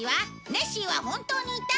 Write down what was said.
ネッシーは本当にいた？